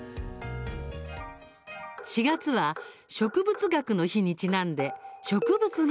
４月は、植物学の日にちなんで植物がテーマ。